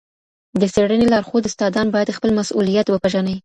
د څېړني لارښود استادان باید خپل مسؤلیت وپېژني.